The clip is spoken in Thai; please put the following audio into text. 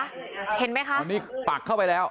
อันนี้ปักเข้าไปแล้ว